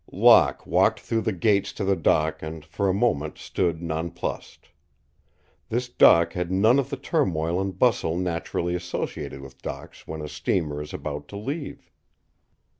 Locke walked through the gates to the dock and for a moment stood nonplussed. This dock had none of the turmoil and bustle naturally associated with docks when a steamer is about to leave.